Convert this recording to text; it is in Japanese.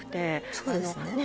そうですね。